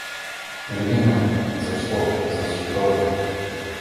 Любимая, за что, за что же?!